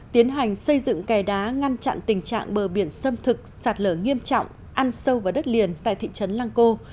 tiến hành xây dựng cài đá ngăn chặn tình trạng bờ biển xâm thực sạt lở nghiêm trọng ăn sâu vào đất liền tại thị trấn lang co